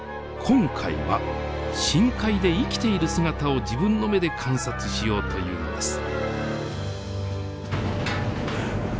今回は深海で生きている姿を自分の目で観察しようというのです。